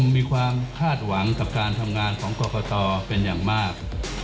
มีความคาดหวังกับการทำงานของกรกตเป็นอย่างมาก